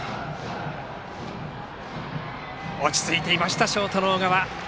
落ち着いていましたショートの小川。